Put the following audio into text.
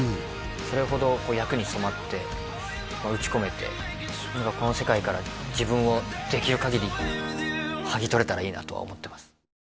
それほどこう役にそまってまあ打ち込めて何かこの世界から自分をできるかぎり剥ぎ取れたらいいなとは思ってます